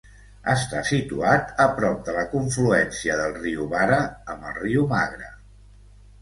Està situat a prop de la confluència del riu Vara amb el riu Magra.